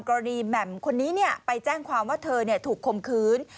แหม่มคนนี้ไปแจ้งความว่าเธอถูกคมคืน